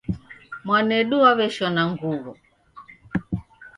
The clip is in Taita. Mwanedu waweshona nguwo